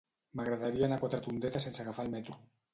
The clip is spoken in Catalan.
M'agradaria anar a Quatretondeta sense agafar el metro.